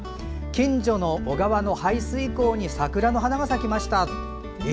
近所の小川の排水溝に桜の花が咲きました。